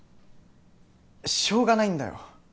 しょうがないんだよ！